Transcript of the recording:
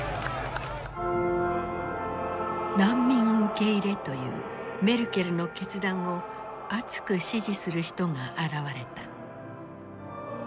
難民受け入れというメルケルの決断を熱く支持する人が現れた。